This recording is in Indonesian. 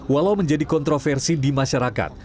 walau menjadi kontroversi di masyarakat